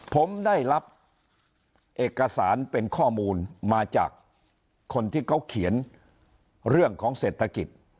ผมได้รับเอกสารเป็นข้อมูลมาจากคนที่เขาเขียนเรื่องของเศรษฐกิจ